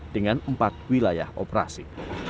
dengan empat wilayah operasi